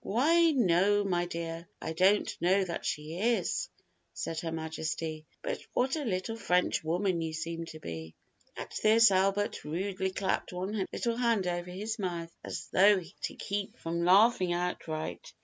"Why no, my dear, I don't know that she is," said Her Majesty; "but what a little French woman you seem to be." At this Albert rudely clapped one little hand over his mouth, as though to keep from laughing outright.